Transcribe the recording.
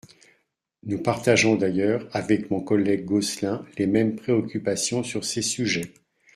Nous partageons d’ailleurs, avec mon collègue Gosselin, les mêmes préoccupations sur ces sujets.